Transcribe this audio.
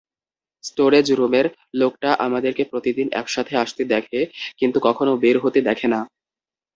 Storage রুমের লোকটা আমাদেরকে প্রতিদিন একসাথে আসতে দেখে কিন্তু কখনও বের হতে দেখে না।